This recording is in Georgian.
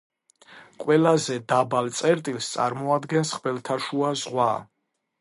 ყველაზე დაბალ წერტილს წარმოადგენს ხმელთაშუა ზღვა.